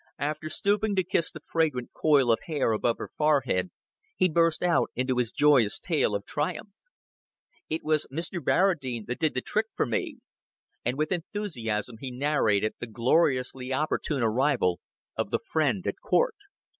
After stooping to kiss the fragrant coil of hair above her forehead, he burst out into his joyous tale of triumph. "It was Mr. Barradine that did the trick for me;" and with enthusiasm he narrated the gloriously opportune arrival of "the friend at court."